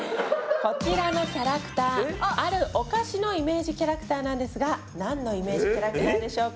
こちらのキャラクターあるお菓子のイメージキャラクターなんですがなんのイメージキャラクターでしょうか？